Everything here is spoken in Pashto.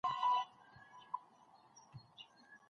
تاسو کولای سئ ادبي اثار ولولئ.